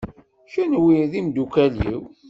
Kenwi d imeddukal-iw.